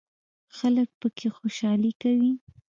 خلک پکې خوشحالي کوي.